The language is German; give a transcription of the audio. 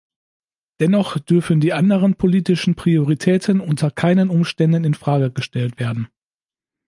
Dennoch dürfen die anderen politischen Prioritäten unter keinen Umständen in Frage gestellt werden.